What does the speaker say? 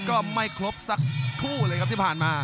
ก็ไม่ครบสักคู่เลยครับที่ผ่านมา